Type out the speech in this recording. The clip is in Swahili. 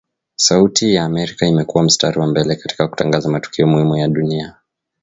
Sauti ya Amerika imekua mstari wa mbele katika kutangaza matukio muhimu ya dunia